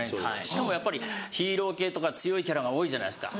しかもやっぱりヒーロー系とか強いキャラが多いじゃないですか。